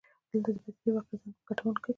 دلته د پدیدې واقعیت ځان په کتونکو مني.